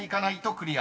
［クリア！］